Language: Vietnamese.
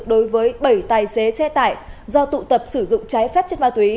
đối với bảy tài xế xe tải do tụ tập sử dụng trái phép chất ma túy